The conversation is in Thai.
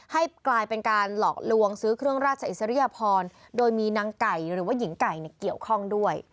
ให้กลายเป็นการหลอกลวงซื้อเครื่องราชอิสริยพรโดยมีนางไก่หรือว่าหญิงไก่เกี่ยวข้องด้วย